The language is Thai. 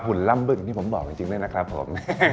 หุ่นล่ำบึกที่ผมบอกจริงด้วยนะครับ